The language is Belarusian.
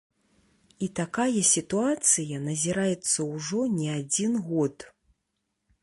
І такая сітуацыя назіраецца ўжо не адзін год.